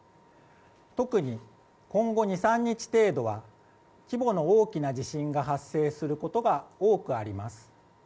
特に今後２３日程度は規模の大きな地震が発生することが多くあります。